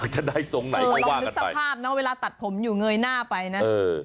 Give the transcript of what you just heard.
จะได้ทรงไหนลองนึกสภาพนะเวลาตัดผมอยู่เงยหน้าไปนะ